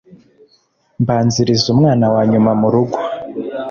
Mbanziriza umwana wa nyuma mu rugo